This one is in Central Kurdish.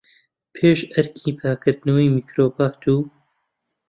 پێش ئەرکێکی پاکردنەوەی میکرۆبات، و